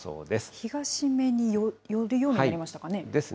東めに寄るようになりましたかね。